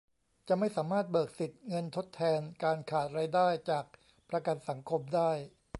จะไม่สามารถเบิกสิทธิ์เงินทดแทนการขาดรายได้จากประกันสังคมได้